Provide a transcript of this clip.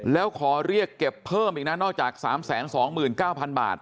แล้วขอเรียกเก็บเพิ่มอีกนะนอกจาก๓๒๙๐๐บาท